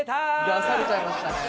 出されちゃいましたね。